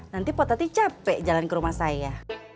nanti potati capek jalan ke rumah saya